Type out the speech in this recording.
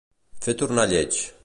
Fer tornar lleig.